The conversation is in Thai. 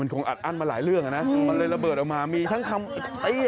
มันคงอัดอันมาหลายเรื่องนะมันเลยระเบิดออกมามีทั้งคำสลัดอะไรทั้งเต็มไปหมดเลยฮะ